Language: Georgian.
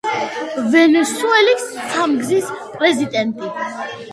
ვენესუელის სამგზის პრეზიდენტი.